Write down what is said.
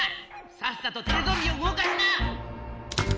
さっさとテレゾンビをうごかしな！